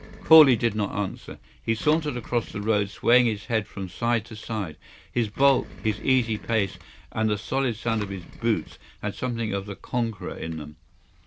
Corley did not answer. He sauntered across the road swaying his head from side to side. His bulk, his easy pace, and the solid sound of his boots had something of the conqueror in them.